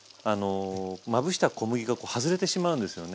まぶした小麦が外れてしまうんですよね。